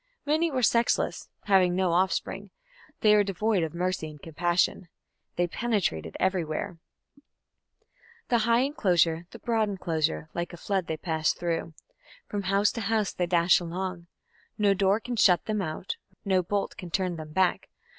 Many were sexless; having no offspring, they were devoid of mercy and compassion. They penetrated everywhere: The high enclosures, the broad enclosures, like a flood they pass through, From house to house they dash along. No door can shut them out; No bolt can turn them back.